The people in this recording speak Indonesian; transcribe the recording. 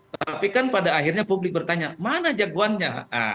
tapi kan pada akhirnya publik bertanya mana jagoannya